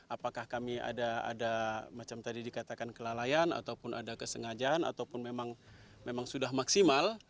apakah kami ada macam tadi dikatakan kelalaian ataupun ada kesengajaan ataupun memang sudah maksimal